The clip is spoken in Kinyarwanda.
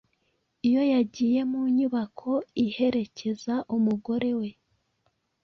Iyo yagiye mu nyubako iherekeza umugore we